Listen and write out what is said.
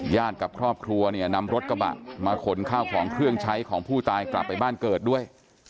กับครอบครัวเนี่ยนำรถกระบะมาขนข้าวของเครื่องใช้ของผู้ตายกลับไปบ้านเกิดด้วย